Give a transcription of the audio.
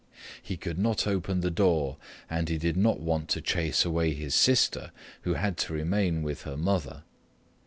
He could not open the door, and he did not want to chase away his sister who had to remain with her mother.